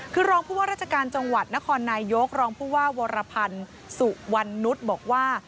คือรองผู้ว่าราชการจังหวัดนครนายยกรองผู้ว่าวรพันธ์สุวรรณนุษย์บอกว่า